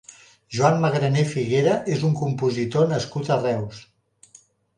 Joan Magrané Figuera és un compositor nascut a Reus.